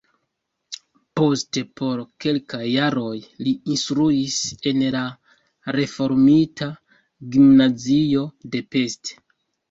Poste por kelkaj jaroj li instruis en la reformita gimnazio de Pest.